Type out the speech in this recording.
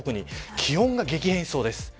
気温が激変しそうです。